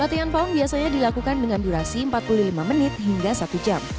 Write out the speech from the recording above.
latihan paung biasanya dilakukan dengan durasi empat puluh lima menit hingga satu jam